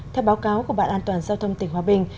theo báo cáo của bạn an toàn giao thông tỉnh hòa bình